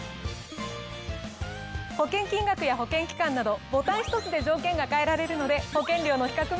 保険金額や保険期間などボタン１つで条件が変えられるので。